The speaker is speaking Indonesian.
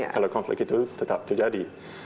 kalau konflik itu tetap terjadi